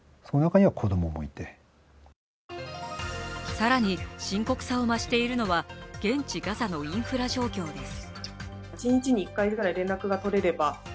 更に、深刻さを増しているのは現地ガザのインフラ状況です。